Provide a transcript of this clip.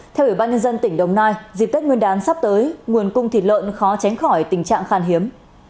theo ủy ban nhân dân tỉnh đồng nai dịp tết nguyên đán sắp tới nguồn cung thịt lợn khó tránh khỏi tình trạng khan hiếm